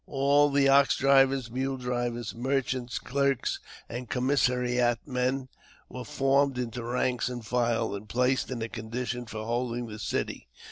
All th ox drivers, mule drivers, merchants, clerks, and commissariat' men were formed into rank and file, and placed in a conditio for holding the city.